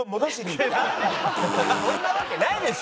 そんなわけないでしょ！